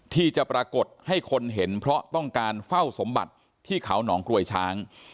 ที่จะปรากฏให้คนเห็นเพราะต้องการเฝ้าสมบัติที่เขาหนองกลวยช้าง